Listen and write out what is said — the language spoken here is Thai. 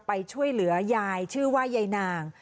ไปช่วยเหลือยายชื่อว่ายายนาง